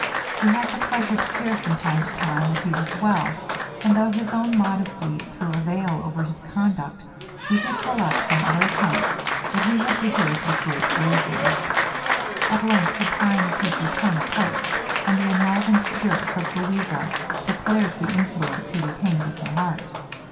'We had the pleasure to hear from time to time that he was well: and though his own modesty threw a veil over his conduct, we could collect from other accounts that he had behaved with great bravery. At length the time of his return approached, and the enlivened spirits of Louisa declared the influence he retained in her heart.